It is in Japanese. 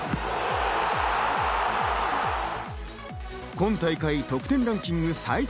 今大会得点ランキング最多